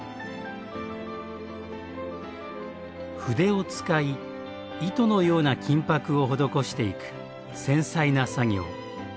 筆を使い糸のような金箔を施していく繊細な作業。